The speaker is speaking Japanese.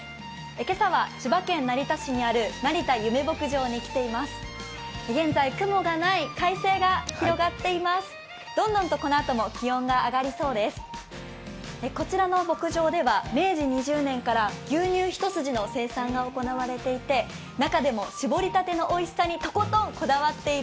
今朝は千葉県成田市にある成田ゆめ牧場に来ています。